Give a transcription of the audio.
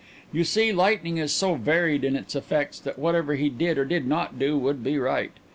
You see, lightning is so varied in its effects that whatever he did or did not do would be right.